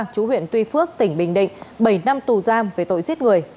chú huyện tuy phước tỉnh bình định bảy năm tù giam về tội giết người